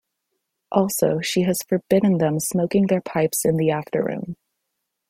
Also, she has forbidden them smoking their pipes in the after-room.